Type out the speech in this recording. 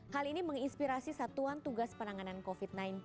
hal ini menginspirasi satuan tugas penanganan covid sembilan belas